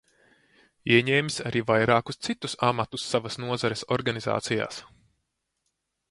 Ieņēmis arī vairākus citus amatus savas nozares organizācijās.